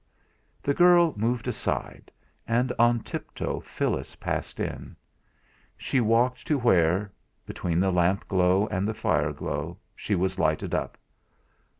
The girl moved aside; and on tiptoe Phyllis passed in. She walked to where, between the lamp glow and the fire glow, she was lighted up.